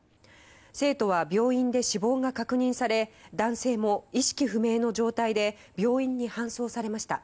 生徒は、病院で死亡が確認され男性も意識不明の状態で病院に搬送されました。